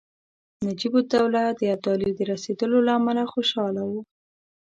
نجیب الدوله د ابدالي د رسېدلو له امله خوشاله وو.